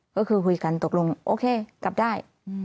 ก็คือคุยกันตกลงโอเคกลับได้